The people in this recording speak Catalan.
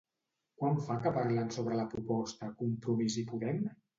Quant fa que parlen sobre la proposta Compromís i Podem?